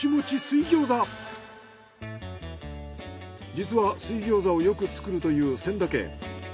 実は水餃子をよく作るという仙田家。